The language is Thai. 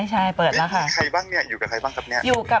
ใช่เปิดแล้วค่ะ